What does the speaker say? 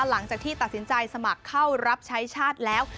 หลังจากที่ตัดสินใจสมัครเข้ารับใช้ชาติแล้ว